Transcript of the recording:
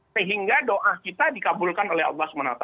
sehingga doa kita dikabulkan oleh allah swt